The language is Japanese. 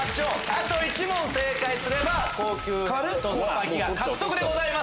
あと１問正解すれば高級ヘッドスパギア獲得でございます。